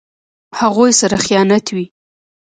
هغوی سره خیانت وي.